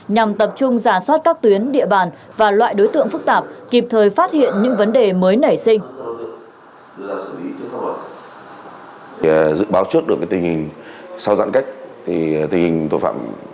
nhằm tập trung giả soát các tuyến địa bàn và loại đối tượng phức tạp kịp thời phát hiện những vấn đề mới nảy sinh